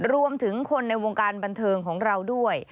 รวมถึงคนในวงการบันเทิงของเราด้วย